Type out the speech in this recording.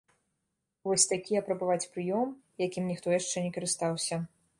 Вось такі апрабаваць прыём, якім ніхто яшчэ не карыстаўся.